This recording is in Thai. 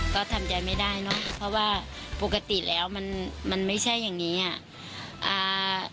ก็ทำใจไม่ได้เนอะเพราะว่าปกติแล้วมันมันไม่ใช่อย่างงี้อ่ะอ่า